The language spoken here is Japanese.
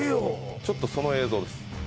ちょっとその映像です